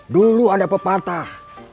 dulu ada pepatah